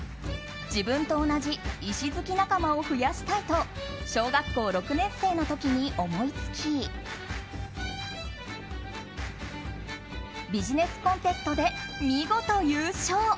自分と同じ石好き仲間を増やしたいと小学校６年生の時に思い付きビジネスコンテストで見事優勝。